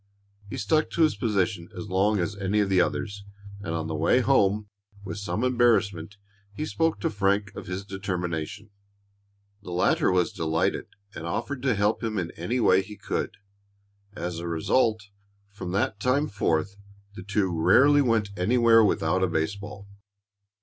He stuck to his position as long as any of the others, and on the way home, with some embarrassment, he spoke to Frank of his determination. The latter was delighted and offered to help him in any way he could. As a result, from that time forth the two rarely went anywhere without a baseball.